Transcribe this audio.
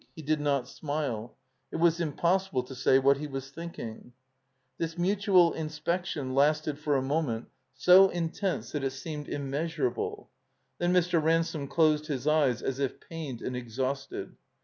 He did not smile. It was impossible to say what he was thinking. This mutual inspection lasted for a moment so 22 331 THE COMBINED MAZE intense that it seemed immeastirable. Then Mr. Ransome closed his eyes as if pained and exhausted.